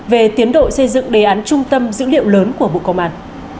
về tiến độ xây dựng đề án trung tâm dữ liệu lớn của bộ công an